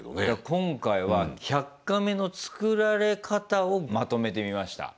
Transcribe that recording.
今回は「１００カメ」の作られ方をまとめてみました。